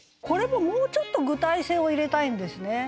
これももうちょっと具体性を入れたいんですね。